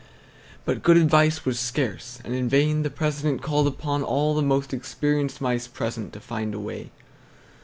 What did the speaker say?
But good advice was scarce, and in vain the president called upon all the most experienced mice present to find a way.